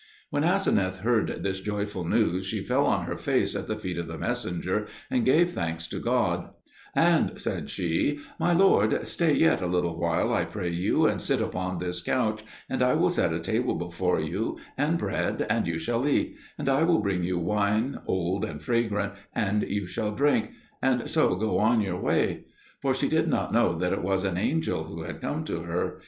When Aseneth heard this joyful news, she fell on her face at the feet of the messenger and gave thanks to God; and, said she, "My lord, stay yet a little while, I pray you, and sit upon this couch, and I will set a table before you, and bread, and you shall eat; and I will bring you wine old and fragrant, and you shall drink, and so go on your way." For she did not know that it was an angel who had come to her.